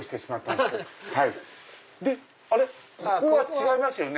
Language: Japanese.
でここは違いますよね？